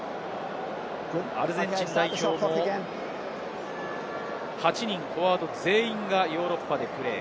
アルゼンチン代表も８人、フォワード全員がヨーロッパでプレー。